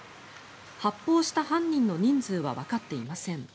発砲した犯人の人数はわかっていません。